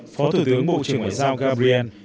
phó thủ tướng bộ trưởng ngoại giao gabriel